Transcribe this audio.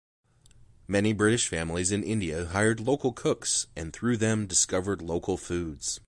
Many British families in India hired local cooks, and through them discovered local foods.